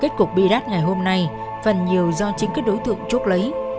kết cục bị đắt ngày hôm nay phần nhiều do chính các đối tượng trúc lấy